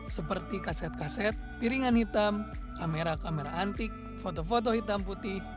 seperti kaset kaset piringan hitam kamera kamera antik foto foto hitam putih